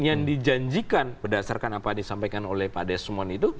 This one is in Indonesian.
yang dijanjikan berdasarkan apa disampaikan oleh pak desmond itu